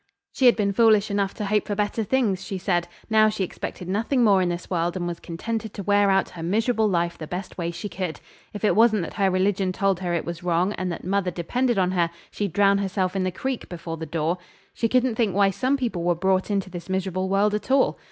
'She had been foolish enough to hope for better things,' she said; 'now she expected nothing more in this world, and was contented to wear out her miserable life the best way she could. If it wasn't that her religion told her it was wrong, and that mother depended on her, she'd drown herself in the creek before the door. She couldn't think why some people were brought into this miserable world at all.